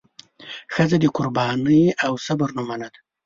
ښځه د قربانۍ او صبر نمونه ده.